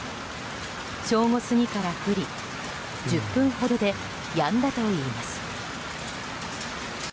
正午過ぎから降り１０分ほどでやんだといいます。